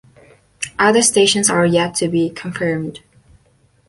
Other stations are yet to be confirmed.